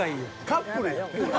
カップルやん。